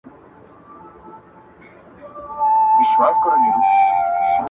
او له فحاشۍ او بدو كارونو